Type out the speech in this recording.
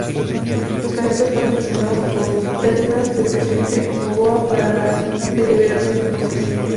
Los candidatos fueron presentados por ternas del presidente Noboa para la deliberación del Congreso.